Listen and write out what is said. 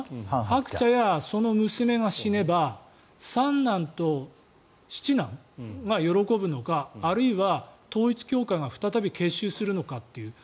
ハクチャやその娘が死ねば三男と七男が喜ぶのかあるいは統一教会が再び結集するのかっていう。